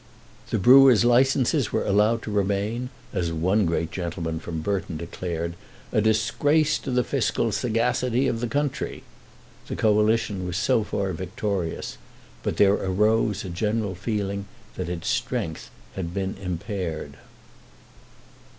The Brewers' Licences were allowed to remain, as one great gentleman from Burton declared, a "disgrace to the fiscal sagacity of the country." The Coalition was so far victorious; but there arose a general feeling that its strength had been impaired.